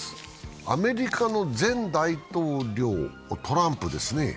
アメリカの前大統領、トランプですね。